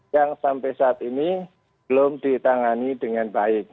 yang sampai saat ini belum ditangani dengan baik